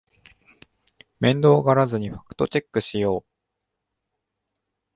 面倒がらずにファクトチェックしよう